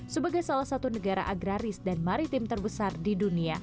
sebagai salah satu negara agraris dan maritim terbesar di dunia